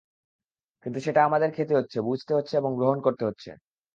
কিন্তু সেটা আমাদের খেতে হচ্ছে, বুঝতে হচ্ছে এবং গ্রহণ করতে হচ্ছে।